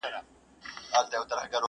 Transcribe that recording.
تنها نوم نه چي خصلت مي د انسان سي,